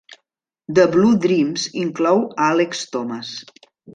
"The Blue Dreams" inclou a Alex Thomas.